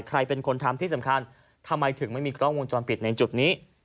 ใครเป็นคนทำที่สำคัญทำไมถึงไม่มีกล้องวงจรปิดในจุดนี้